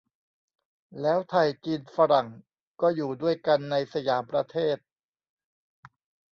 แล้วไทย จีน ฝรั่ง ก็อยู่ด้วยกันในสยามประเทศ